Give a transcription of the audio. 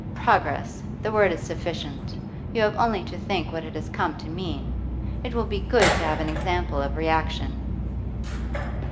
Progress the word is sufficient; you have only to think what it has come to mean. It will be good to have an example of reaction.